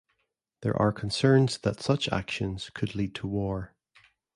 There are concerns that such actions could lead to war.